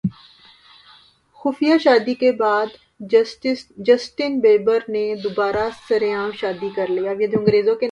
خفیہ شادی کے بعد جسٹن بیبر نے دوبارہ سرعام شادی کرلی